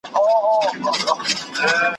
حتی د ژوند په وروستیو شېبو کې